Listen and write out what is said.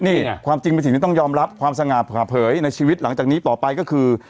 นี่ความจริงเป็นสิ่งที่ต้องยอมรับความสง่าผ่าเผยในชีวิตหลังจากนี้ต่อไปก็คือ